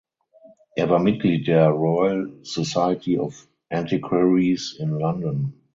Er war Mitglied der "Royal Society of Antiquaries" in London.